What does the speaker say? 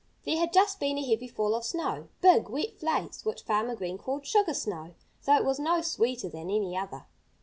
There had just been a heavy fall of snow big, wet flakes which Farmer Green called "sugar snow," though it was no sweeter than any other.